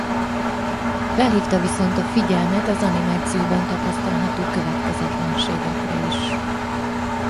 Felhívta viszont a figyelmet az animációban tapasztalható következetlenségekre is.